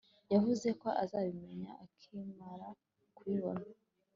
Yavuze ko azabimenya akimara kubibona